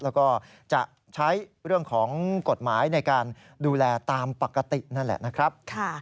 แล้วก็จะใช้เรื่องของกฎหมายในการดูแลตามปกตินั่นแหละนะครับ